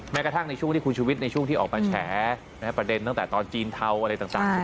กระทั่งในช่วงที่คุณชุวิตในช่วงที่ออกมาแฉประเด็นตั้งแต่ตอนจีนเทาอะไรต่าง